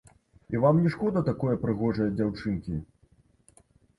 І вам не шкода такое прыгожае дзяўчынкі?